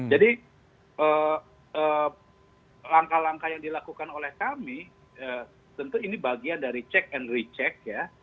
jadi langkah langkah yang dilakukan oleh kami tentu ini bagian dari check and recheck ya